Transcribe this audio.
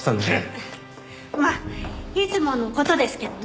まあいつもの事ですけどね。